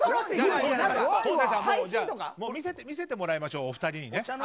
見せてもらいましょうお二人に。